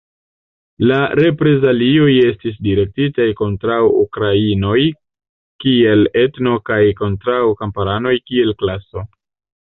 La reprezalioj estis direktitaj kontraŭ ukrainoj kiel etno kaj kontraŭ kamparanoj kiel klaso.